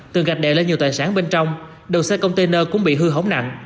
từ gạch đèo lên nhiều tài sản bên trong đầu xe container cũng bị hư hóng nặng